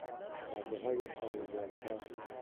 رگههای سنگوارهدار